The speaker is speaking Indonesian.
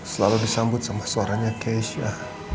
selalu disambut sama suaranya keisha